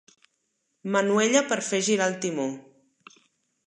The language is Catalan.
Manuella per a fer girar el timó.